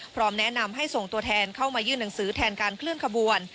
พร้อมแนะนำให้ส่งตัวแทนเข้ามายื่นหนังสือแทนการเคลื่อนขบวน